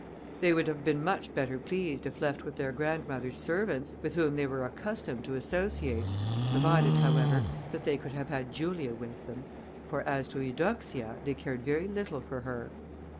They would have been much better pleased if left with their grandmother's servants, with whom they were accustomed to associate, provided, however, that they could have had Julia with them; for as to Eudoxia, they cared very little for her.